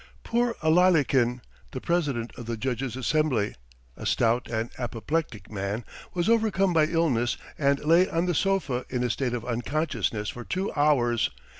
Poor Alalykin, the president of the judges' assembly, a stout and apoplectic man, was overcome by illness and lay on the sofa in a state of unconsciousness for two hours.